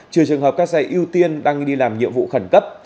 trừ trường hợp các xe ưu tiên đang đi làm nhiệm vụ khẩn cấp